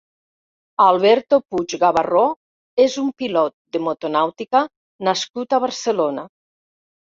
Alberto Puig Gabarró és un pilot de motonàutica nascut a Barcelona.